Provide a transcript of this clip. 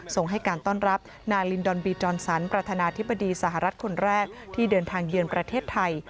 ส่งให้การต้อนรับนาลินดอนบีจอนสันประธานาธิบดีสหรัฐคนแรกที่เดินทางเยือนประเทศไทย